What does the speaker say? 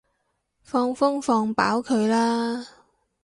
放風放飽佢啦